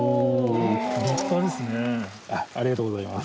ありがとうございます。